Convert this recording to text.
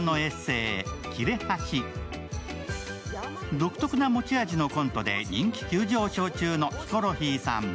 独特な持ち味のコントで人気急上昇中のヒコロヒーさん。